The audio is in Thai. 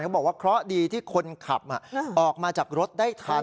เขาบอกว่าเคราะห์ดีที่คนขับออกมาจากรถได้ทัน